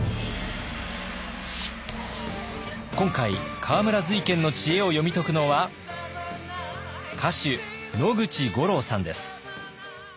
今回河村瑞賢の知恵を読み解くのは歌手野口五郎さんです。